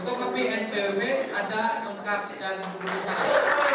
untuk bnpwp ada ongkar dan mengumpulkan